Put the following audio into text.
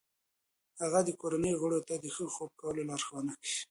هغه د کورنۍ غړو ته د ښه خوب کولو لارښوونه کوي.